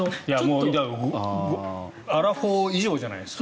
アラフォー以上じゃないですか？